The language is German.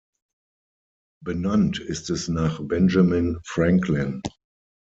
Benannt ist es nach Benjamin Franklin.